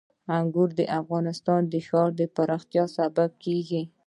انګور د افغانستان د ښاري پراختیا سبب کېږي.